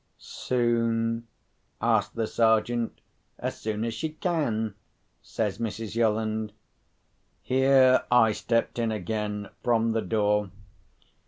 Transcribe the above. "Soon?" asked the Sergeant. "As soon as she can." says Mrs. Yolland. Here I stepped in again from the door.